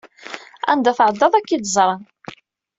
Anda tɛeddaḍ ad k-id-ẓren.